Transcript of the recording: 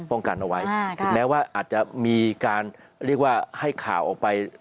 กันเอาไว้ถึงแม้ว่าอาจจะมีการเรียกว่าให้ข่าวออกไป